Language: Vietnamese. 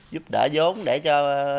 giúp đỡ giống để cho